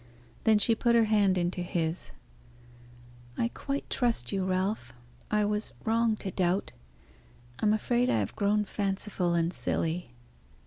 Then she put her hand into his. "I quite trust you, Ralph. I was wrong to doubt. I am afraid I have grown fanciful and silly."